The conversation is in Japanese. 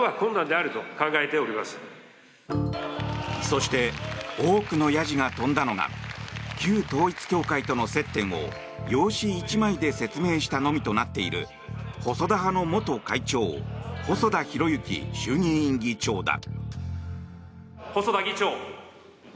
そして多くのやじが飛んだのが旧統一教会との接点を用紙１枚で説明したのみとなっている細田派の元会長細田博之衆議院議長だ。